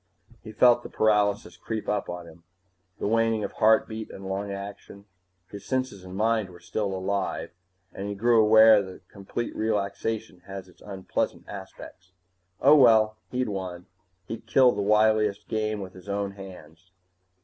He felt the paralysis creep up on him, the waning of heartbeat and lung action. His senses and mind were still alive, and he grew aware that complete relaxation has its unpleasant aspects. Oh, well he'd won. He'd killed the wiliest game with his own hands.